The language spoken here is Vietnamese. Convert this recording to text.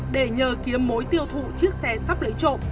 để nhờ kiếm mối tiêu thụ chiếc xe sắp lấy trộm